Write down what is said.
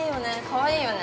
◆いいよね。